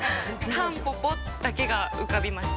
タンポポだけが浮かびました。